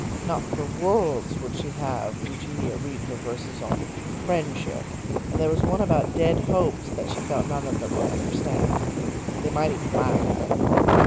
Not for worlds would she have Eugenia read her verses on "Friendship," and there was one about "Dead Hopes" that she felt none of them would understand. They might even laugh at it.